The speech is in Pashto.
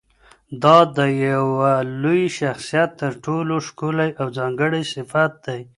دا د یوه لوی شخصیت تر ټولو ښکلی او ځانګړی صفت دی.